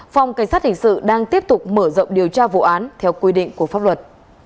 phòng cảnh sát hình sự đang tiếp tục mở rộng điều tra vụ án theo quy định của pháp luật